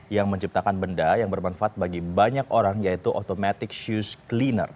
yang menciptakan benda yang bermanfaat bagi banyak orang yaitu automatic shoes cleaner